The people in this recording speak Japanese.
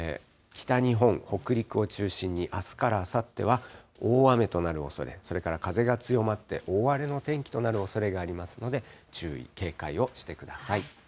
北日本、北陸を中心に、あすからあさっては大雨となるおそれ、それから風が強まって大荒れの天気となるおそれがありますので、注意、警戒をしてください。